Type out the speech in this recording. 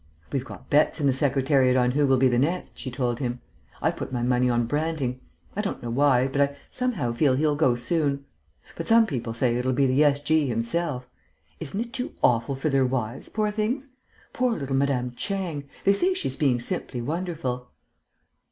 "We've got bets in the Secretariat on who will be the next," she told him. "I've put my money on Branting. I don't know why, but I somehow feel he'll go soon. But some people say it'll be the S.G. himself.... Isn't it too awful for their wives, poor things? Poor little Madame Chang! They say she's being simply wonderful."